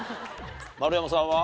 丸山さんは？